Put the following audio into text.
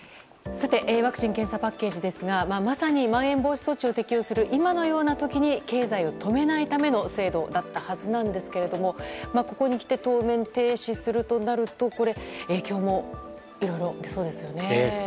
ワクチン・検査パッケージですがまさにまん延防止措置を適用する今のような時に経済を止めないための制度だったはずなんですがここに来て当面停止するとなると影響もいろいろ起きそうですね。